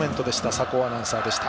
酒匂アナウンサーでした。